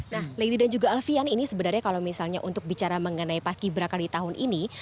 nah lady dan juga alfian ini sebenarnya kalau misalnya untuk bicara mengenai pas ki bra kali tahun ini